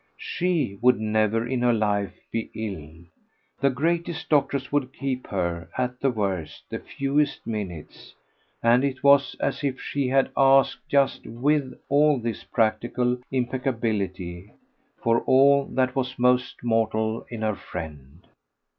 SHE would never in her life be ill; the greatest doctor would keep her, at the worst, the fewest minutes; and it was as if she had asked just WITH all this practical impeccability for all that was most mortal in her friend.